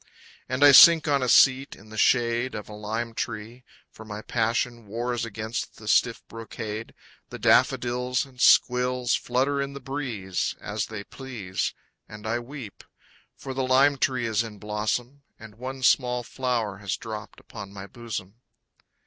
And I sink on a seat in the shade Of a lime tree. For my passion Wars against the stiff brocade. The daffodils and squills Flutter in the breeze As they please. And I weep; For the lime tree is in blossom And one small flower has dropped upon my bosom.